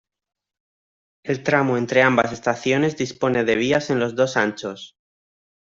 El tramo entre ambas estaciones dispone de vías en los dos anchos.